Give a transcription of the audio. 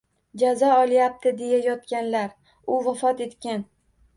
Jazo olyapti deyayotganlar, u vafot etgan.